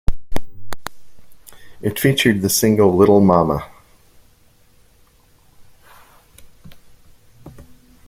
It featured the single "Little Mama".